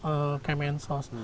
mana tugas kemensos